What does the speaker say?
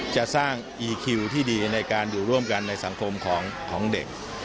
จะสร้างอีคิวที่ดีในการอยู่ร่วมกันในสังคมของเด็ก